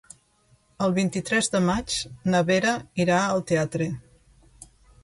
El vint-i-tres de maig na Vera irà al teatre.